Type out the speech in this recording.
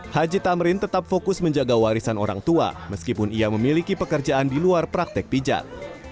haji tamrin tetap fokus menjaga warisan orang tua meskipun ia memiliki pekerjaan di luar praktek pijat